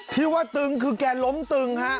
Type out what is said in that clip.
ที่ว่าตึงคือแกล้มตึงฮะ